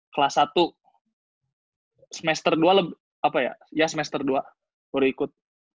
kelas satu semester dua apa ya ya semester dua baru ikut